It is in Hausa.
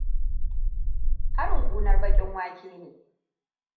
Harin ƙunae baƙin wake ne.